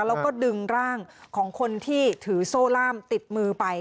แล้วก็ดึงร่างของคนที่ถือโซ่ล่ามติดมือไป